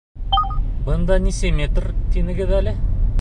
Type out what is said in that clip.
Бында нисә метр тинегеҙ әле?